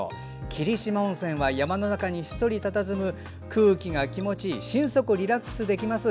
霧島温泉は山の中にひっそりたたずむ空気が気持ちいい心底リラックスできます。